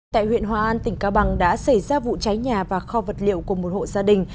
tại huyện hòa an tỉnh cao bằng đã xảy ra vụ cháy nhà và kho vật liệu của một hộ gia đình